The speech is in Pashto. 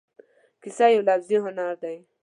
کیسه یو لفظي هنر دی.